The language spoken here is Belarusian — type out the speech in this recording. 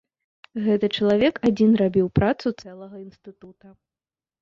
Гэты чалавек адзін рабіў працу цэлага інстытута.